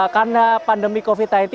karena pandemi covid sembilan belas